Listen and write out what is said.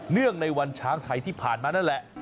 งในวันช้างไทยที่ผ่านมานั่นแหละ